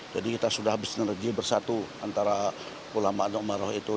jadi kita sudah bersinergi bersatu antara ulama dan umaroh itu